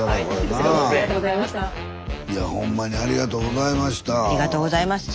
いやホンマにありがとうございました。